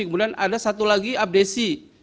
kemudian ada satu lagi abdesi